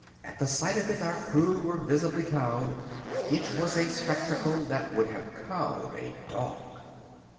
At the sight of it our crew were visibly cowed. It was a spectacle that would have cowed a dog.